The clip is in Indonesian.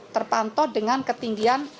terpantau dengan ketinggian